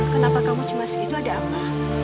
kenapa kamu cemas gitu ada apa